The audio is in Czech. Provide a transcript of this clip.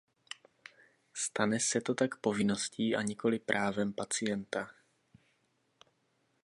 Stane se to tak povinností, a nikoliv právem pacienta.